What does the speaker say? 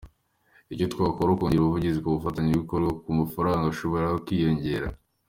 Icyo twakora ni ukongera ubuvugizi ku bafatanyabikorwa ku buryo amafaranga ashobora kwiyongera.